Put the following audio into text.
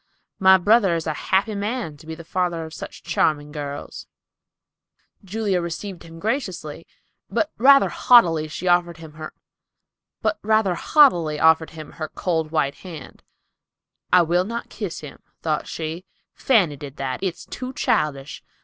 My brother is a happy man to be father of such charming girls." Julia received him graciously, but rather haughtily offered him her cold white hand. "I will not kiss him," thought she; "Fanny did that. It's too childish.